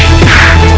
aku akan menang